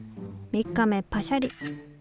３日目パシャリ。